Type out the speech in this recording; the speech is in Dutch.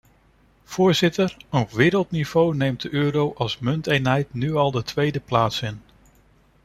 Voorzitter, op wereldniveau neemt de euro als munteenheid nu al de tweede plaats in.